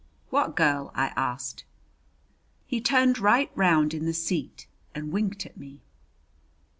"What girl?" I asked. He turned right round in the seat and winked at me.